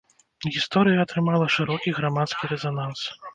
Гісторыя атрымала шырокі грамадскі рэзананс.